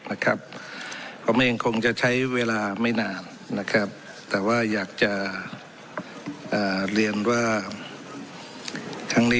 นะครับผมเองคงจะใช้เวลาไม่นานนะครับแต่ว่าอยากจะอ่า